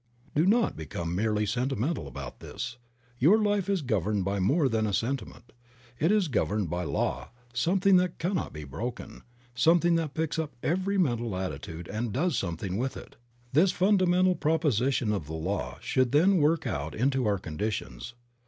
Do not become merely sentimental about this. Your life is governed by more than a sentiment; it is governed by law, something that cannot be broken, something that picks up every mental attitude and does something with it. This fundamental proposition of the law should then work out into our conditions.